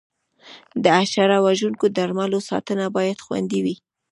د حشره وژونکو درملو ساتنه باید خوندي وي.